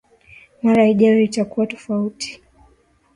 Mara ijayo itakuwa tofauti.